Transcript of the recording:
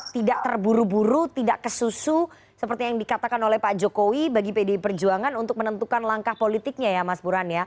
tidak terburu buru tidak kesusu seperti yang dikatakan oleh pak jokowi bagi pdi perjuangan untuk menentukan langkah politiknya ya mas buran ya